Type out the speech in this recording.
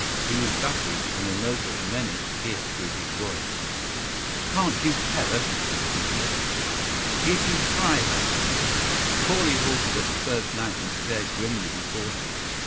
He was baffled and a note of menace pierced through his voice. "Can't you tell us?" he said. "Did you try her?" Corley halted at the first lamp and stared grimly before him.